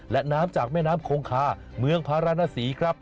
และน้ำจากแม่น้ำคงคาเมืองพารณสีครับ